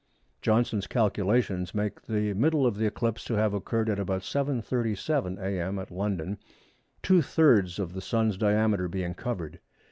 Johnson's calculations make the middle of the eclipse to have occurred at about 7.37 a.m. at London, two thirds of the Sun's diameter being covered.